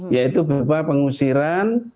yaitu berupa pengusiran